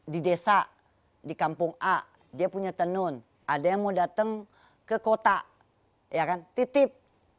di desa di kampung a dia punya tenun ada yang mau datang ke kota ya kan titip